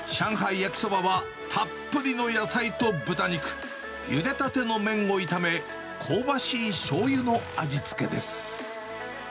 焼きそばはたっぷりの野菜と豚肉、ゆでたての麺を炒め、香ばしいしょうゆの味つけです。